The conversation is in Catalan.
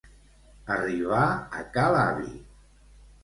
Arribar a ca l'avi.